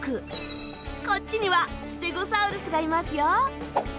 こっちにはステゴサウルスがいますよ。